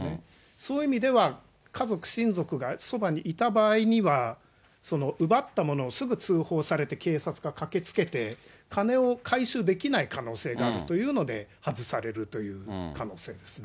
そういう意味では、家族、親族がそばにいた場合には、その奪ったものをすぐ通報されて、警察が駆けつけて、金を回収できない可能性があるというので外されるという可能性ですね。